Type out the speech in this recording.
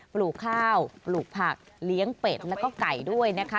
ปลูกข้าวปลูกผักเลี้ยงเป็ดแล้วก็ไก่ด้วยนะคะ